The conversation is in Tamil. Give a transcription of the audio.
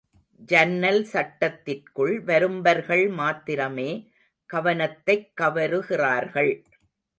ஜன்னல் சட்டத்திற்குள் வரும்பர்கள் மாத்திரமே கவனத்தைக் கவருகிறார்கள்.